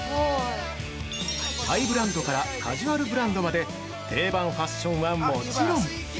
ハイブランドからカジュアルブランドまで定番ファッションはもちろん！